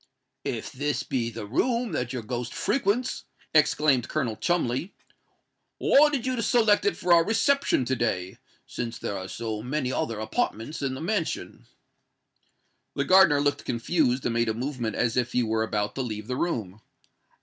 "If this be the room that your ghost frequents," exclaimed Colonel Cholmondeley, "why did you select it for our reception to day, since there are so many other apartments in the mansion?" The gardener looked confused, and made a movement as if he were about to leave the room.